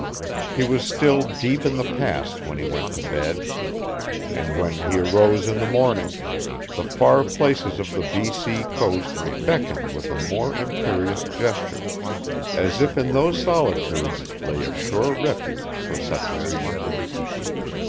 He was still deep in the past when he went to bed. And when he arose in the morning, the far places of the B.C. coast beckoned with a more imperious gesture, as if in those solitudes lay a sure refuge for such as he.